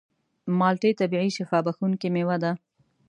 مالټې طبیعي شفا بښونکې مېوه ده.